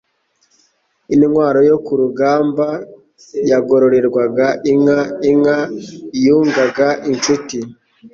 Intwari yo ku rugamba yagororerwaga inka. Inka yungaga inshuti.